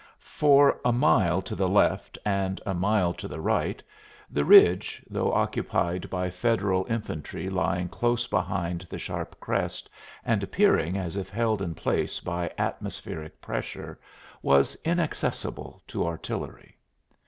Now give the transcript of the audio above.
For a mile to the left and a mile to the right, the ridge, though occupied by Federal infantry lying close behind the sharp crest and appearing as if held in place by atmospheric pressure, was inaccessible to artillery.